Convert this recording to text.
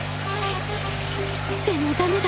でもダメだ！